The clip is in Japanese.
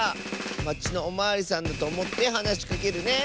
まちのおまわりさんだとおもってはなしかけるね！